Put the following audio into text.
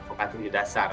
fokasi dari dasar